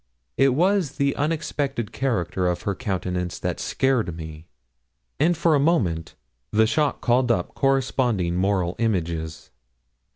It was the unexpected character of her countenance that scared me, and for a moment the shock called up corresponding moral images.